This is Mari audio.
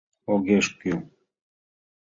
— Огеш кӱл...